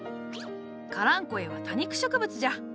カランコエは多肉植物じゃ。